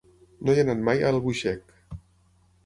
No he anat mai a Albuixec.